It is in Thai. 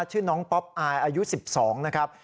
ชื่อน้องป๊อปอายอายุ๑๒นะครับ